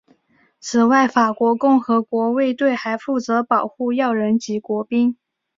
此外法国共和国卫队还负责保护要人及国宾。